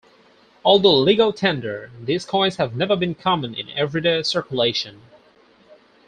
Although legal tender, these coins have never been common in everyday circulation.